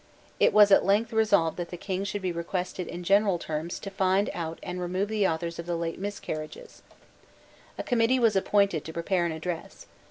It was at length resolved that the King should be requested in general terms to find out and to remove the authors of the late miscarriages, A committee was appointed to prepare an Address.